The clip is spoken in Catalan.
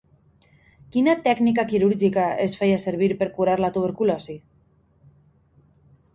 Quina tècnica quirúrgica es feia servir per curar la tuberculosi?